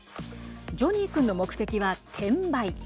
ジョニーくんの目的は転売。